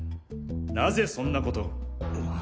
なぜそんなことを？